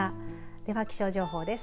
では気象情報です。